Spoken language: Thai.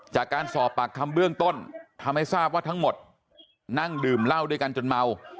จากการสอบปากคำเบื้องต้นทำให้ทราบว่าทั้งหมดนั่งดื่มเหล้าด้วยกันจนเมา